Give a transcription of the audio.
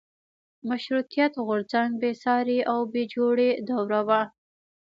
مشروطیت غورځنګ بېسارې او بې جوړې دوره وه.